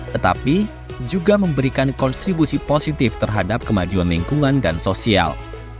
tetapi juga memberikan kontribusi positif terhadap kemajuan lingkungan dan sosial